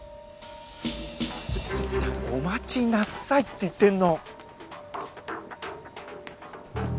お待ちなさいって言ってんの！